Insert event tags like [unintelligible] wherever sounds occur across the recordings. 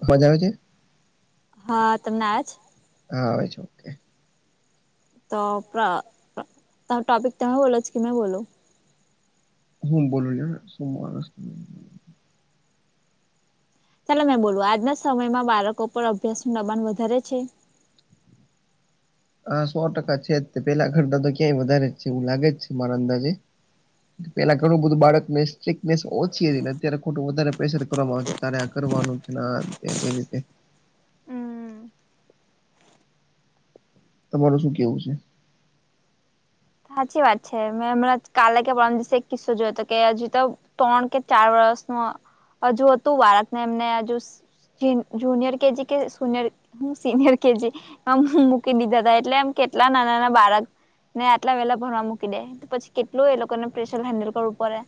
[unintelligible] હા તમને આજ હા જ ઓકે તો પ્ર ત ટપિક તમે બોલો છ કે મેં બોલો હું બોલું [unintelligible] ચાલો મેં બોલું આજના સમયમાં બાળકો પર અભ્યાસનું દબાણ વધારે છે? હા સો ટકા છે જ પેલા ઘરતા તો ક્યાંય વધારે જ છે એવું લાગે જ છે મારા અંદાજે. પેલા ઘણું બધું બાળક સ્ટીકનેસ ઓછી હતીને અત્યારે ખોટું વધારે પ્રેશર કરવામાં આવે છે. તારે આ કરવાનું છે ના આ રીતે. તમારું શું કેવું છે? સાચી વાત છે મેં હમણાં કાલે કે પરમ દિવસે એક કિસ્સો જોયો હતો કે હજી તો ત્રણ કે ચાર વર્ષનું હજુ હતું વારકને એમને હજુ જ જુનિયર કે કેજી કે સુનિયર હું સીનિયર કે કેજી. મૂકી દીધા હતા એટલે એમ કેટલા નાના નાના બાળકને કેટલા વેલા ભરવા મૂકી દે તો પછી કેટલુંએ લોકોને પ્રેશર હેન્ડલ કરવું પડે.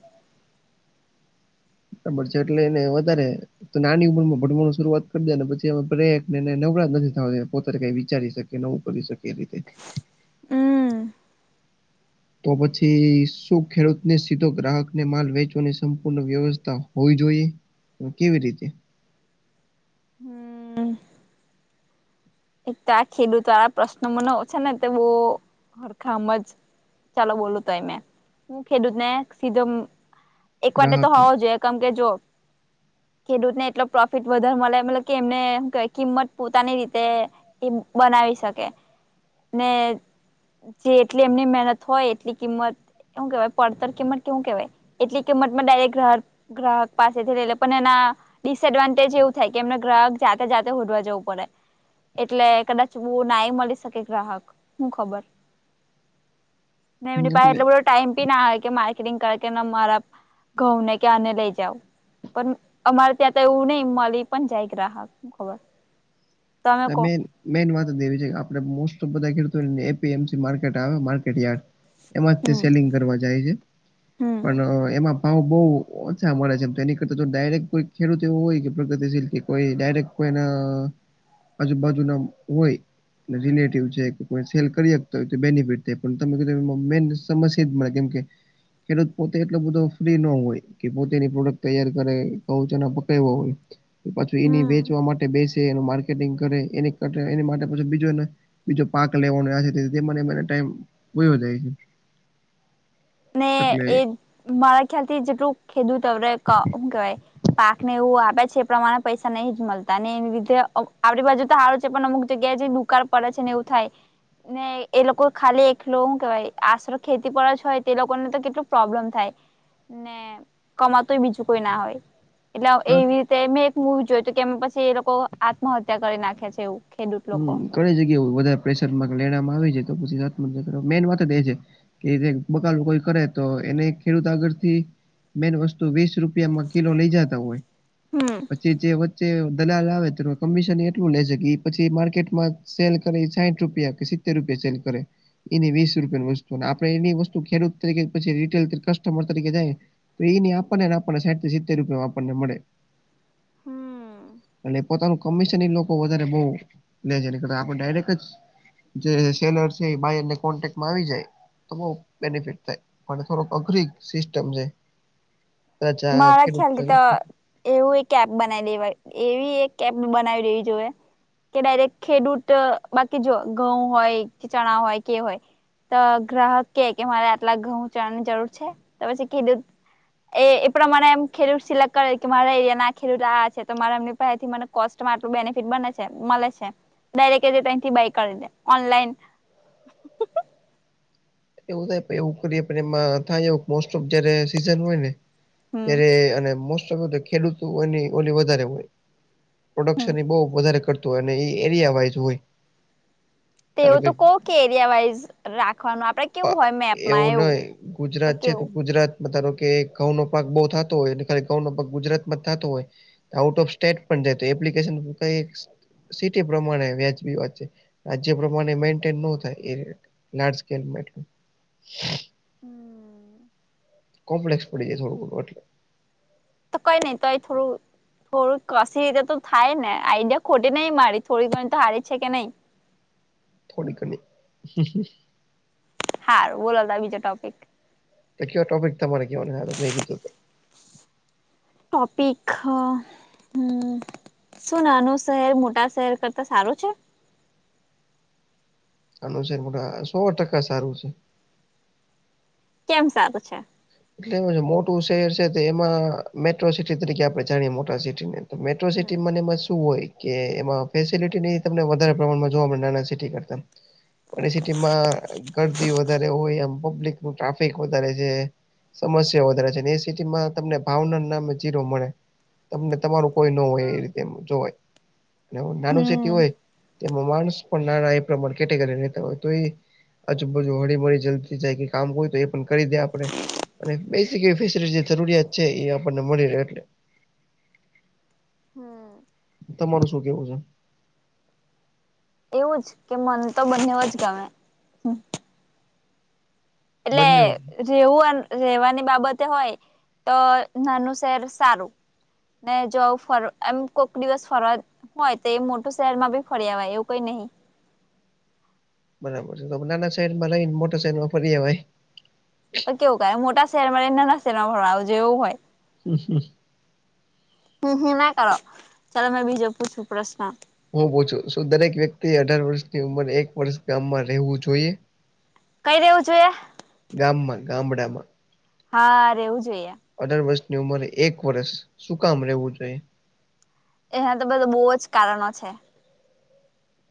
બરાબર છે એટલે એને વધારે તો નાની ઉંમર માં ભણવાનું શરૂઆત કરી દે પછી એ પ્રને નવરા નથી થવા પોતાનું કઈ વિચારી શકે. કે નવું કરી શકે એ રીતે હમ. તો પછી શું ખેડૂતને સીધો ગ્રાહકને માલ વેચવાની સંપૂર્ણ વ્યવસ્થા હોવી જોઈએ. હ કેવી રીતે? હમ. એક તો આ ખેડૂત વાળા પ્રશ્ન મન છે ને તે બોવ હરખા સમજ ચાલો બોલું તોય મેં હું ખેડૂતને સીધો એકવાર તો ગ્રાહકને હોવો જોઈએ કેમ કે જો ખેડૂતને એટલો પ્રોફિટ વધારે મળે મતલબ કે એમને કિંમત પોતાની રીતે એ બનાવી શકે ને જે એટલી એમની મહેનત હોય એટલી કિંમત એવું કેહેવાય પડતર કિંમત કેવું કેહેવાય એટલી કિંમતમાં ડાયરેક્ટ ગ્રાહક પાસેથી લઈલે પણ એના ડિસએડવાન્ટેજ એવું થાય કે એમને ગ્રાહક જાતે જાતે હોધવા જવું પડે. એટલે કદાચ બોવ નાઈ મળી શકે ગ્રાહક હું ખબર મેં એમની પાહે એટલે એટલો બધો ટાઈમ પી ના આવે કે માર્કેટિંગ કર મારા ઘઉં ને કે આ લઈ જાવ. પણ અમારે ત્યાં તો એવું નહી મળી પણ જાય ગ્રાહક શું ખબર તમે. મેન વાત એવી છે કે આપડે મોસ્ટ બધા ખેડૂતોને એપીએમસી માર્કેટ આવે માર્કેટ યાર્ડ એમાં જ તે હમ સેલિંગ કરવા જાય છે. હમ પણ એમાં ભાવ બહુ ઓછા મળે છેમ તો એની કરતા ડાયરેક્ટ કોઈ ખેડૂત એવું હોય કે પ્રગતિશીલ કે કોઈ ડાયરેક્ટ કોઈના આજુબાજુ ના હોય. રિલેટિવ છે કે કોઈ સેલ કરી શકતો હોય તો બેનિફિટ થ પણ તમે જો મેન સમસ્યા જ મળ કેમ કે ખેડૂત પોતે એટલો બધો ફ્રી ન હોય કે પોતેની પ્રોડક્ટ તૈયાર કરે [unintelligible] હોય. પાછી એની હમ વેચવા માટે બેસે એનું માર્કેટ માર્કેટિંગ કરે એની કરતો બીજો બીજો પાક લેવાનો આજે તે છે વયો જાય છે. ને એટલે એ મારા ખ્યાલ થી જેટલું ખેધું ત હું કેવાય. પાક ને એવું આપે છે એ પ્રમાણે પૈસા નહી જ મળતા ને એવી રીધે આપણી બાજુ તો હ પણ અમુક જગ્યાએ જે દુકાળ પડે છે ને એવું થાય. ને એ લોકો ખાલી એકલો હું કેવાય આશરો ખેતી પર જ હોય. તે લોકોને તો કેટલું પ્રોબ્લેમ થાય ને કમાતુંય બીજું કોઈ ના હોય. એટલે આ એવી રીતે મેં એક મૂવી જોયું હતું કે પછી એ લોકો આત્મહત્યા કરી નાખ્યા છે એવું ખેડૂત લોકો હમ ઘણી જગ્યા વધારે પ્રેશરમાં લેવામાં આવે છે તો પછી [unintelligible] મેન વાત એ છે. કે જે બબાલ બબાલ કોઈ કરે તો એને ખેડૂત આગળથી મેન વસ્તુ વીસ રૂપિયામાં કિલો લઇ જતા હોય હમ્મ. પછી જે વચ્ચે દલાલ આવે તો કમિશન એટલું લે છે પછી માર્કેટમાં સેલ કરે સાહીઠ રૂપિયા કે સિત્તેર રૂપિયા સેલ કરે. એની વીસ રૂપિયાની વસ્તુ અને આપડે એની વસ્તુ ખેડૂત તરીકે પછી રીટેલ કસ્ટમર તરીકે જાય તો એની આપણને આપણને સાઠ થી સિતેર રૂપિયામાં આપણને મળે. હમ એટલે પોતાનું કમિશન લોકો વધારે બહુ લે છે આપડે ડાયરેક્ટ જ જે સેલર છે એ બાયરના કોન્ટેકમાં આવી જાય. તો બઉ બેનિફિટ થાય પણ થોડક અઘરી સિસ્ટમ છે. [unintelligible] મારા ખેડૂત ખ્યાલથી તો [unintelligible] એવું એક એપ બનાવી દેવાય એવી એક એપ બનાવી લેવી જોઈએ કે ડાયરેક્ટ ખેડૂત બાકી જો ઘઉં હોય ચણા હોય કે હોય તો ગ્રાહક કે કે મારે આટલા ઘઉં ચણાની જરૂર છે તો પછી ખેડૂત એ પ્રમાણે એમ ખેડૂત સિલેક્ટ કરે કે મારા એરિયાના ખેડૂત આ છે તો મારા એમની પાહેથી મને કોસ્ટ માં આટલું બેનિફિટ બને છે મળે છે [unintelligible] બાઈ કર લે ઓનલાઇન એવું થાય એવું કરીએ પણ એમાં થાય મોસ્ટ ઓફ જયારે સીઝન હોય ને હમ ત્યારે અને મોસ્ટ ઓફ ખેડૂતો એની ઓલી વધારે હોય. પ્રોડક્શન એ બહ વધારે કરતું હોય અને એ એરિયા વાઈઝ હોય. તેવું તો કો કે એરિયા વાઈઝ રાખવાનું આપડે કેવું હોય મેપમાં એવું નહી ગુજરાત છે તો ગુજરાત ધારોકે ઘઉં નો પાક બઉુ થતો હોય ખાલી ઘઉં નો પાક ગુજરાતમાં જ થતો હોય આઉટ ઓફ સ્ટેટ પણ જાતું હોય એપ્લિકેશન કઈ સિટી પ્રમાણે વ્યાજબી વાત છે રાજ્ય પ્રમાણે મેન્ટેન ન થાય એ લાર્જ સ્કેલ [unintelligible] હમ કોમ્પ્લેસ પડી જાય થોડો એટલે તો કઈ નહી તોય થોડું થોડું કસીટ તો થાયને આઈડિયા ખોટે નય મારી થોડી ઘણી તો હારી છે કે નહી થોડી ઘણી હારુ બોલાતા બીજો ટોપિક તો કે ટોપિક તમારે કેવાનું [unintelligible] મેં કીધું તે ટોપિક હા હમ્મ શું નાનું શહેર મોટા શહેર કરતા સારું છે? સારું છે મોટા સો ટકા સારું છે. કેમ સારુ છે એટલે એ મોટું શહેર છે એમાં મેટ્રો સિટી તરીકે આપણે જાણીએ મોટા સિટી માં તો મેટ્રો સિટી હમ મેં ને એમાં શું હોય કે એમાં ફેસલટી તમને વધારે પ્રમાણમાં જોવા મળે નાના સિટી કરતા. અને સિટીમાં ગરદી વધારે હોય એમ પબ્લિક નું ટ્રાફિક વધારે છે સમસ્યા વધારે છે એ સિટીમાં તમને ભાવના નામે જીરો મળે. તમને તમારું કોઈ ન હોય એ રીતે જોવાય નાનું સેટી હમ હોય તેમાં માણસ પણ નાના એ પ્રમાણે કેટેગરીતા હોય તો એ આજુબાજુ હળી મળી જલ્દી જાય કે કામ હોય તો એ પણ કરી દે આપણે. અને બેસિક એવી ફેસલટી જરૂરિયાત છે એ આપણને મળી રહે એટલે હમ્મ. તમારું શું કેવું છે. એવું જ કે મન તો બંને જ ગમે એટલે બંને રેવુંન રેવાની બાબતે હોય તો નાનું શેર સારું. ને જો ફર એમ કોક દિવસ ફરવા હોય તો એ મોટું શહેરમાં બી ફરી અવાય એવું કઈ નહી. બરાબર છે તો નાના શહેરમાં રહીને મોટા શહેરમાં ફરી અવાય. તો કેવુ કાઈ મોટા શહેરમાં રહીને નાના શહેરમાં પણ જેવું હોય. હમ્મ- હમ હમ ના કરો ચલો મેં બીજો પૂછું પ્રશ્ન. હું પૂછું શું દરેક વ્યક્તિએ અઢાર વર્ષની ઉમરે એક વરસ ગામમાં રહેવું જોઈએ? કઈ રેવું જોઈએ? ગામમાં ગામડામાં હા રેવું જોઈએ. અઢાર વર્ષની ઉંમરે એક વરસ શું કામ રેવું જોઈએ? એના તો બધાં બહુ જ કારણો છે.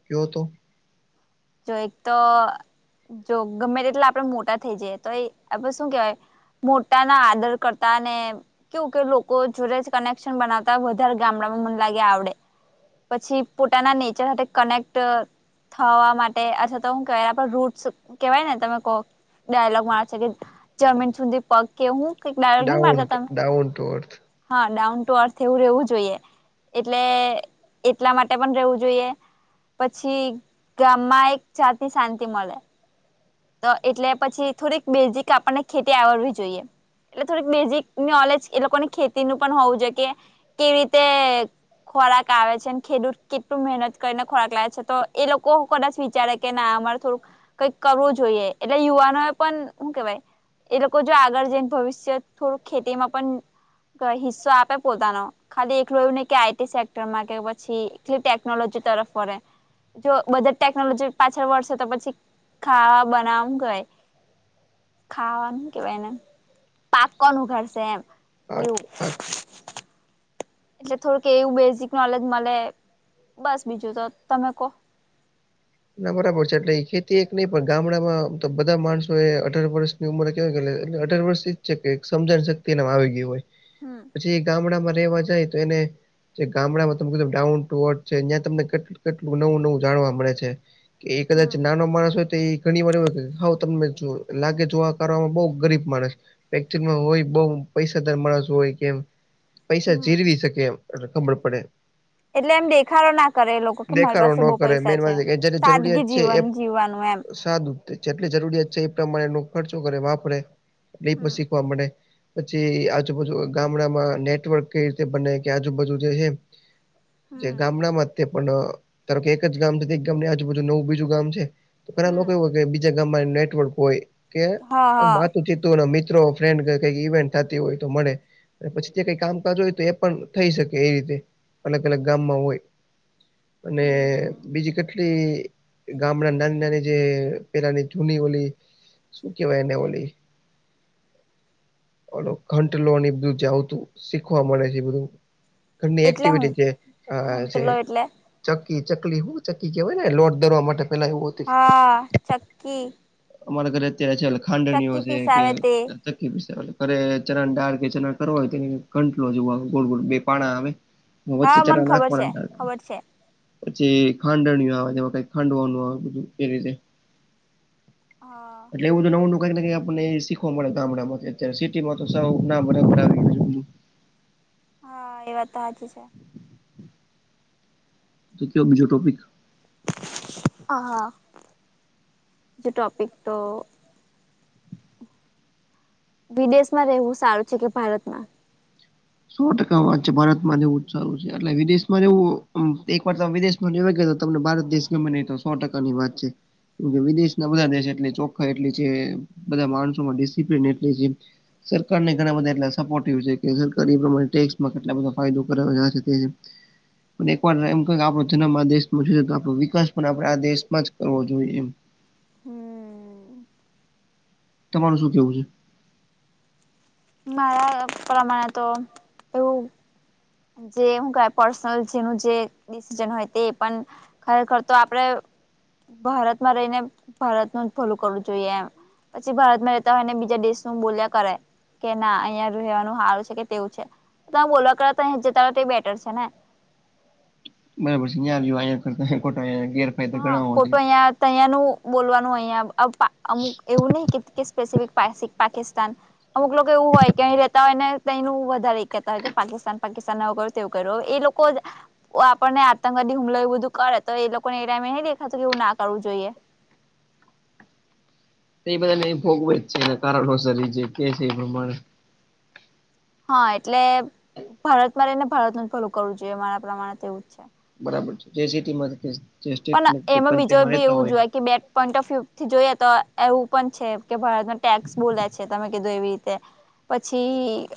ક્યો તો જો એક તો જો ગમે તેટલા આપડે મોટા થઈ જઈએ તો એ આપે શું કેવાય મોટાના આદર કરતાને કેવું કે લોકો જોડે જ કનેક્શન બનાવતા વધારે ગામડામાં મને લાગે આવડે. પછી પોતાના નેચર હાથે કનેક્ટ થવા મા ટે અથવા તો હું કેવાય આપણે રૂટસ કેવાય ને તમે કો ડાયલોગમાં છે, કે જમીન સુધી પગ કે હું કંઈક ડાયલોગ નહી ડાઉન મારતા તમે ડાઉન ટુ અર્થ હા ડાઉન ટુ અર્થ એવું રહેવું જોઈએ. એટલે એટલા માટે પણ રહેવું જોઈએ, પછી માં એક જાતની શાંતિ મલે. તો એટલે પછી થોડીક બેઝીક આપણને ખેતી આવડવી જોઈએ. એટલે થોડીક બેઝિક નોલેજ એ લોકોને ખેતીનું પન હોવું જોઈએ કે કેવી રીતે ખોરાક આવે છે ને ખેડૂત કેટલું મહેનત કરીને ખોરાક લાવે છે, તો એ લોકો કદાચ વિચારે કે ના અમારે થોડુંક કંઈક કરવું જોઈએ એટલે યુવાનો એ પણ હું કેવાય એ લોકો જો આગળ જઈને ભવિષ્ય થોડું ખેતીમાં પણ હિસ્સો આપે પોતાનો ખાલી એકલુ એવું નહીં કે આઈટી સેક્ટરમાં કે પછી એકલી ટેકનોલોજી તરફ વળે. જો બધા ટેકનોલોજી પાછળ વર્ષે તો પછી ખાવા બનાવ હું કેવાય ખાવાનું હું કેવાય એને પાકવાનું ઉઘાડશે એમ પાક એવું પાક એટલે થોડુંક એવું બેઝિક નોલેજ મલે. બસ બીજું તો તમે કો ના બરાબર છે, એટલે ઈ ખેતી એક નહીં પણ ગામડામાં ઓમ તો બધા માણસોએ અઢાર વર્ષ ની ઉંમરે કેવાય કે એટલે અઢાર વર્ષની જ છે કે એક સમજણ શક્તિ એનામાં આવી ગી હોય. હમ્મ પછી ગામડામાં રેવા જાય તો એને જે ગામડામાં તમે કીધું ડાઉન ટુ અર્થ છે ત્યાં તમને કેટલ કેટલું નવું નવું જાણવા મળે છે. કે એ કદાચ હમ નાનો માણસ હોય, તો એ ઘણી વાર એવું કે હાવ તમને જો લાગે જોવા કરવામાં બહુ ગરીબ, માણસ એક્ચ્યુઅલમાં હોય બઉ પૈસાદાર માણસ હોય કે એમ- પૈસા હમ જીરવી શકે એમ એટલે ખબર પડે એમ એટલે એમ દેખાડો ના કરે એ લોકો કે મારી પાસે ન બહુ કરે પૈસા મેન છે. વાત એ કે જેની જરૂરિયાત સાદગી છે એ જીવન જીવવાનું એમ. સાદું જ તે જેટલી જરૂરિયાત છે, એ પ્રમાણેનો ખર્ચો કરે, વાપરે એટલે એ પણ હમ શીખવા મળે. પછી આજુબાજુ ગામડામા, નેટવર્ક કઈ રીતે બને કે આજુબાજુ જે હે જે હમ ગામડામાં જ તે પણ ધારો કે એક જ ગામ છે તે એક ગામની આજુબાજુ નવું બીજું ગામ છે. તો પેલા લોકો એવું હમ હોય કે બીજા ગામમાં નેટવર્ક હોય કે હા આમ હા વાતું ચિતુ તું ને મિત્રો ફ્રેન્ડ કે કંઈક ઇવેન્ટ થાતી હોય તો મળે. પછી ત્યા કાઈ [unintelligible] હોય તો એ પણ થઈ શકે એ રીતે. અલગ અલગ ગામમાં હોય અને બીજી ગામડાની નાની નાની જે પેલાની જૂની ઓલી શું કેવાય એને ઓલી ઓલો ઘંટ લો [unintelligible] શીખવા મળે છે, બધું ઘરની એટલે એક્ટિવિટી હું જે જે ઘંટલો એટલે ચક્કી ચકલી હું ચક્કી કેવાય ને લોટ દરવા માટે પેલા એવું હતું. હા ચક્કી અમારા ઘરે અત્યારે [unintelligible] ખાંડણીઓ ચક્કી છે કે પીસાવે તે [unintelligible] અરે ચણાની ડાળ કે ચરણ કરવો હોય [unintelligible] ઘંટલો જો ગોળ ગોળ બે પાણા આવે હા મને ખબર છે ખબર છે [unintelligible] પછી ખાંડણીય આવે તેમાં કઈક ખાંડવાનું આવે બધું એ રીતે. હા એટલે એવું [unintelligible] [unintelligible] ગામડામાંથી અત્યારે સિટીમાં તો [unintelligible] ના મળે હા એ વાત તો હાચી છે. [unintelligible] બીજો ટોપિક હા હા જો ટોપિક તો વિદેશમાં રહેવું સારું છે કે ભારતમાં? સો ટકા વાત છે. ભારતમાં [unintelligible] જ સારું છે. એટલે વિદેશમાં રેવું એક વાર વિદેશ [unintelligible] તમને ભારત દેશ ગમે નઈ તો સો ટકા ની વાત છે. કે વિદેશના બધા દેશ જેટલી ચોખ્ખા એટલી જે બધા માણસોમાં ડિસિપ્લન એટલી જે સરકાર ને ઘણા બધા એટલા સપોર્ટિવ છે કે [unintelligible] ટેક્સમાં કેટલા બધા ફાયદો કરે પણ એક વાર એમ [unintelligible] આપડો જન્મ આ દેશ [unintelligible] આપડો વિકાસ પણ આપણે આ દેશમાં જ કરવો જોઈએ એમ. હમ તમાર શું કેવું છે? મારા પ્રમાણે તો એવું જે હું [unintelligible] પર્સનલ જેનું જે ડિસિજન હોય તે પણ ખરેખર તો આપડે ભારતમાં રહીને ભારતનું જ ભલું કરવું જોઈએ એમ. પછી ભારતમાં રહેતા હોય ને બીજા દેશનું બોલ્યા કરે કે ના અહિયાં રહેવાનું હારું છે કે તેવું છે. [unintelligible] જતા હો તે બેટર છે ને. બરાબર છે [unintelligible] હા હોય છે. ખોટું અહિયાં [unintelligible] બોલવાનું અહિયાં અમુક એવું નહિ કે [unintelligible] પાકિસ્તાન અમુક લોકો એવું હોય કે અહીં રહેતા હોય ને તયનું વધારે કેતા હોય કે પાકિસ્તાન પાકિસ્તાન [unintelligible] [unintelligible] એ લોકો જ આપણને આતંકવાદી હુમલા એવું બધું કરે તો એ લોકો [unintelligible] ના કરવું જોઈએ. તો એ બધાને ભોગવે જ છે. એને કારણોસર એ જે કે છે એ પ્રમાણે હા એટલે ભારતમાં રહીને ભારતનું જ ભલું કરવું જોઈએ મારા પ્રમાણે એવું જ છે. બરાબર છે જે સિટીમાં પણ એમાં બીજો બી એવું જોય કે બે [unintelligible] થી જોઈએ તો એવું પણ છે કે ભારતમાં ટેક્સ બોલે છે. તમે કીધું એવી રીતે પછી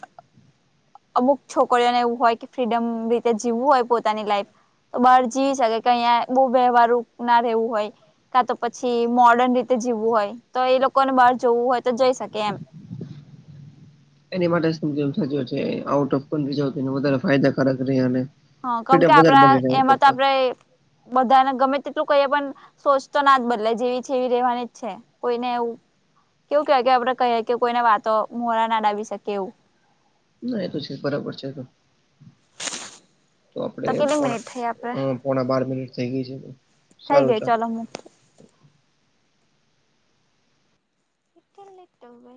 અમુક છોકરીઓને એવું હોય કે ફ્રીડમ રીતે જીવું હોય પોતાની લાઈફ તો બહાર [unintelligible] વ્યવહારરૂપ ના રહેવું હોય કા તો પછી મોર્ડર્ન રીતે જીવું હોય. તો એ લોકોને બહાર જવું હોય તો જઈ શકે એમ. [inaudible] એની માટે [unintelligible] આઉટ ઓફ [unintelligible] વધારે ફાયદાકારક રેય અને હા કમ કે ફ્રીડમ વધારે આપડા મળી રહે એમાં તો કરતા આપડે બધાને ગમે તેટલું કહીએ પણ સોચ તો ના જ બદલે જેવી છે એવી રેવાની જ છે. કોઈને એવું કેવું કહેવા આપડે કહીએ કે કોઈને વાતો [unintelligible] શકી એવું ના એ તો છે બરાબર છે તો તો આપડે કેટલી પણ મિનિટ થઈ આપડે અ પોણા બાર મિનિટ થઈ ગઈ છે થઈ ગઈ ચાલો હું કેટ લેટ ભાઈ